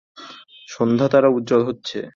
সন্ধ্যাতারা উজ্জল হচ্ছে।